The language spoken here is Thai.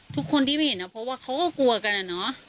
ทุกคนที่ไม่เห็นเพราะว่าเขาก็กลัวกันอะเนาะ